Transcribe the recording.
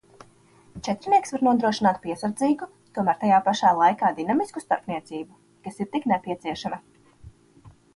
Četrinieks var nodrošināt piesardzīgu, tomēr tajā pašā laikā dinamisku starpniecību, kas ir tik nepieciešama.